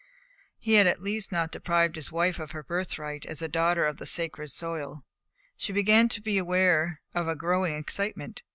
He had at least not deprived his wife of her birthright as a daughter of the sacred soil. She began to be aware of a growing excitement.